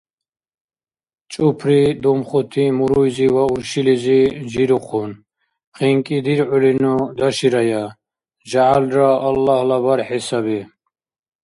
ЧӀупри думхути муруйзи ва уршилизи жирухъун: – ХинкӀи диргӀулину, даширая! ЖягӀялра Аллагьла бархӀи саби!